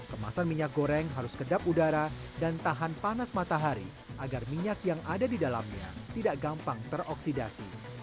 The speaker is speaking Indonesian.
kemasan minyak goreng harus kedap udara dan tahan panas matahari agar minyak yang ada di dalamnya tidak gampang teroksidasi